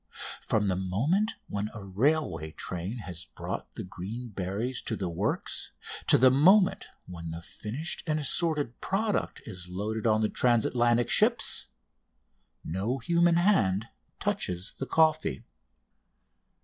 From the moment when a railway train has brought the green berries to the Works to the moment when the finished and assorted product is loaded on the transatlantic ships, no human hand touches the coffee.